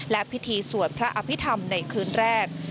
และพิธีสวดพระอภิษฐรรมในคืนแรก